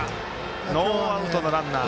ノーアウトのランナー。